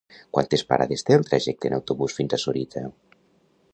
Quantes parades té el trajecte en autobús fins a Sorita?